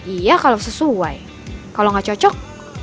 iya kalau sesuai kalau nggak cocok